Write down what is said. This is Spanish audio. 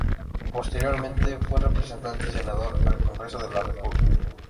Posteriormente fue representante y senador al Congreso de la República.